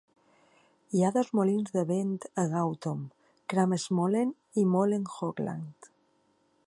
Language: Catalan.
Hi ha dos molins de vent a Goutum, "Kramersmolen" i "Molen Hoogland".